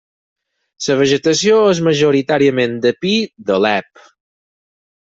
La vegetació és majoritàriament de pi d'Alep.